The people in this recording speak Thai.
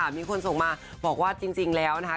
มีคนส่งมาบอกว่าจริงแล้วนะคะ